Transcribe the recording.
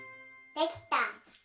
できた。